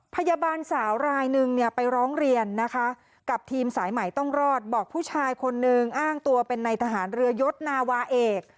พยาบาลสาวรายนึงเนี่ยไปร้องเรียนนะคะกับทีมสายใหม่ต้องรอดบอกผู้ชายคนนึงอ้างตัวเป็นในทหารเรือยศนาวาเอก